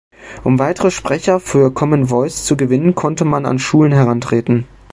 Um weitere Sprecher für Common Voice zu gewinnen, könnte man an Schulen herantreten.